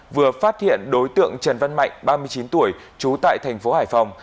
vừa phát hiện đối tượng trần văn mạnh ba mươi chín tuổi trú tại thành phố hải phòng